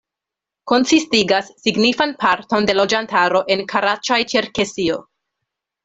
Konsistigas signifan parton de loĝantaro en Karaĉaj-Ĉerkesio.